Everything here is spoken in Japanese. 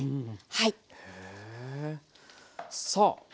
はい。